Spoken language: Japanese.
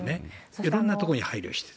いろんなところに配慮してる。